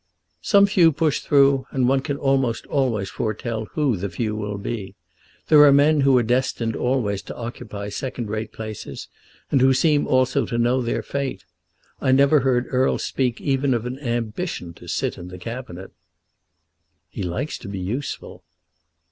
"Some few push through, and one can almost always foretell who the few will be. There are men who are destined always to occupy second rate places, and who seem also to know their fate. I never heard Erle speak even of an ambition to sit in the Cabinet." "He likes to be useful."